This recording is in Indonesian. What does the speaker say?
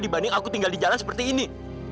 dibanding aku tinggal di jalan seperti ini